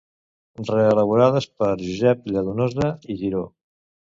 reelaborades per Josep Lladonosa i Giró